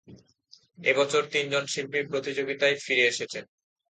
এ বছর তিনজন শিল্পী প্রতিযোগিতায় ফিরে এসেছে।